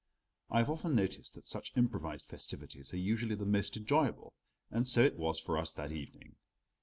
I have often noticed that such improvised festivities are usually the most enjoyable, and so it was for us that evening.